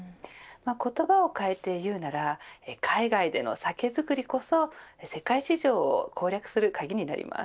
言葉を変えて言うなら海外での酒造りこそ世界市場を攻略する鍵になります。